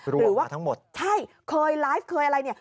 รวมมาทั้งหมดใช่เคยไลฟ์เคยอะไร